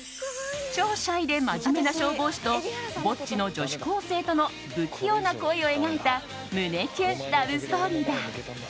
超シャイで真面目な消防士とボッチの女子高生との不器用な恋を描いた胸キュンラブストーリーだ。